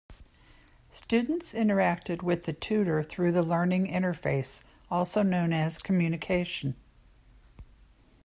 Students interact with the tutor through the learning interface, also known as communication.